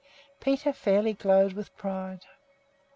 Peter fairly glowed with pride.